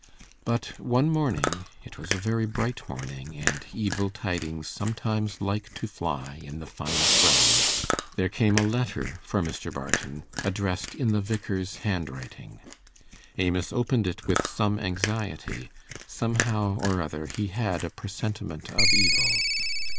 But one morning it was a very bright morning, and evil tidings sometimes like to fly in the finest weather there came a letter for Mr. Barton, addressed in the Vicar's handwriting. Amos opened it with some anxiety somehow or other he had a presentiment of evil.